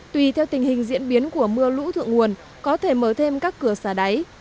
tuy theo tình hình diễn biến của mưa lũ thượng nguồn có thể mở thêm các cửa xà đáy